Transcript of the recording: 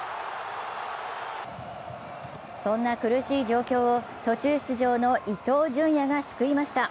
そんな苦しい状況を途中出場の伊東純也が救いました。